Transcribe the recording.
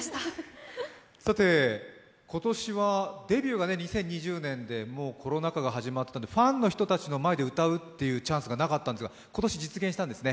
今年は、デビューが２０２０年で、もうコロナ禍が始まっていたのでファンの人たちの前で歌うというチャンスがなかったんですが、今年は実現したんですね？